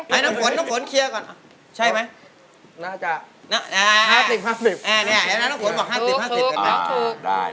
มาฟังอินโทรเพลงที่๑๐